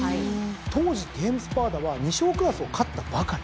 当時テイエムスパーダは２勝クラスを勝ったばかり。